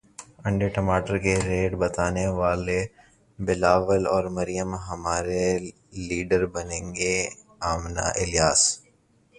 انڈے ٹماٹر کے ریٹ بتانے والے بلاول اور مریم ہمارے لیڈر بنیں گے امنہ الیاس